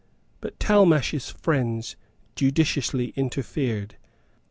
But Talmash's friends judiciously interfered.